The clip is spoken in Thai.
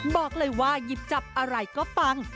บอกเลยว่าหยิบจับอะไรก็ปัง